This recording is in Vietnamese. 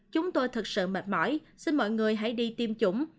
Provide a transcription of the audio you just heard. chúng tôi thực sự mệt mỏi xin mọi người hãy đi tiêm chủng